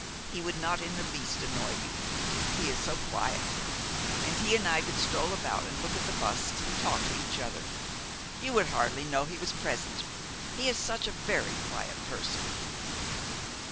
He would not in the least annoy you, he is so quiet; and he and I could stroll about and look at the busts and talk to each other. You would hardly know he was present, he is such a very quiet person.